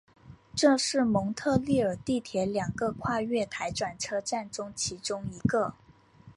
这是蒙特利尔地铁两个跨月台转车站中其中一个。